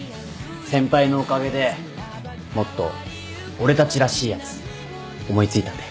先輩のおかげでもっと俺たちらしいやつ思い付いたんで。